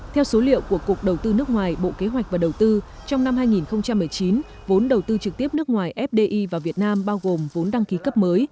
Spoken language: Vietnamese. theo số liệu của cục đầu tư nước ngoài bộ kế hoạch và đầu tư trong năm hai nghìn một mươi chín vốn đầu tư trực tiếp nước ngoài fdi vào việt nam bao gồm vốn đăng ký cấp mới